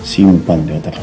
simpan di otak kamu